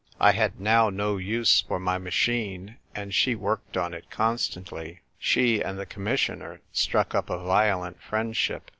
I had now no use for my machine, and she worked on it constantly. She and the Commissioner struck up a violent friendship.